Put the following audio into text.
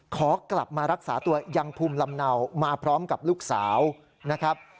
ขอกลับมารักษาตัวยังภูมิลำเนามาพร้อมกับลูกสาวนะครับ